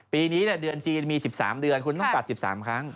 ปีนี้เดือนจีนมี๑๓เดือนคุณต้องตัด๑๓ครั้ง